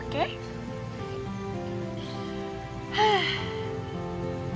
nanti gue jawab